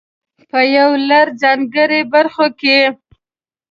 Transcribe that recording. په يو لړ ځانګړو برخو کې.